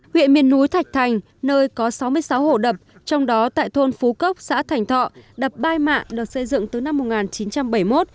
huyện miền núi thạch thành nơi có sáu mươi sáu hồ đập trong đó tại thôn phú cốc xã thành thọ đập ba mạ được xây dựng từ năm một nghìn chín trăm bảy mươi một